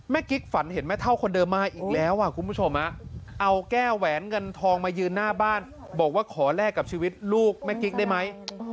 กิ๊กฝันเห็นแม่เท่าคนเดิมมาอีกแล้วคุณผู้ชมเอาแก้วแหวนเงินทองมายืนหน้าบ้านบอกว่าขอแลกกับชีวิตลูกแม่กิ๊กได้ไหม